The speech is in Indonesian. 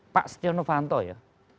pak setia novanto ya